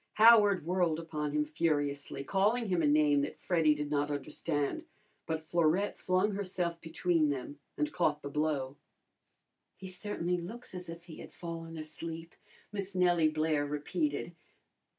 Howard whirled upon him furiously, calling him a name that Freddy did not understand, but Florette flung herself between them and caught the blow. "He certainly looks as if he had fallen asleep," Miss Nellie Blair repeated.